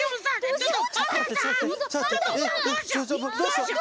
ちょっと。